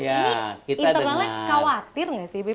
ini internalnya khawatir nggak sih